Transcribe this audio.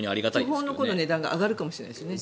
巨峰の値段が上がるかもしれないですよね。